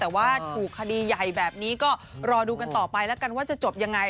แต่ว่าถูกคดีใหญ่แบบนี้ก็รอดูกันต่อไปแล้วกันว่าจะจบยังไง